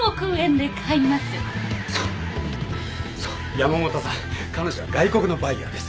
山本さん彼女は外国のバイヤーです。